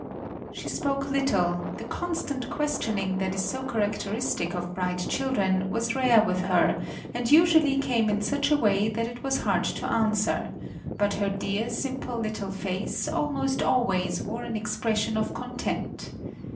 She spoke little, the constant questioning that is so characteristic of bright children was rare with her and usually came in such a way that it was hard to answer; but her dear, simple little face almost always wore an expression of content.